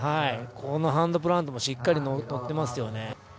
ハンドプラントもしっかり乗ってますよね。